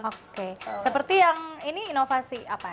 oke seperti yang ini inovasi apa